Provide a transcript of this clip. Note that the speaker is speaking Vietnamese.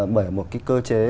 bởi một cái cơ chế